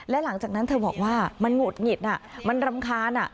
และหลังจากนั้นเธอบอกว่ามันหุดหงิดมันรำคาญ